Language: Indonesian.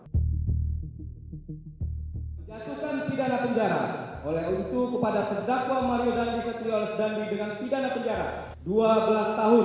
menjatuhkan pidana penjara oleh untuk kepada sedakwa mario d angelo setriolus dandi dengan pidana penjara dua belas tahun